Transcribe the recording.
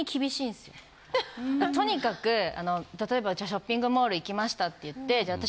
とにかく例えばショッピングモール行きましたっていってじゃあ